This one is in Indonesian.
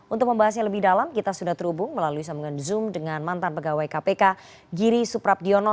untuk membahasnya lebih dalam kita sudah terhubung melalui sambungan zoom dengan mantan pegawai kpk giri suprabdiono